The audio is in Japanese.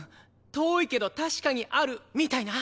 「遠いけど確かにある」みたいな。